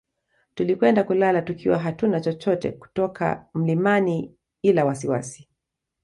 Tulikwenda kulala tukiwa hatuna chochote kutoka mlimani ila wasiwasi